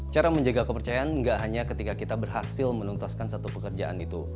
cara menjaga kepercayaan nggak hanya ketika kita berhasil menuntaskan satu pekerjaan itu